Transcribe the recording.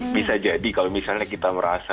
bisa jadi kalau misalnya kita merasa